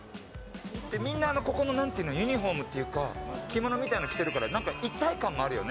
みんなここのユニホームというか着物みたいなのを着てるから一体感があるよね。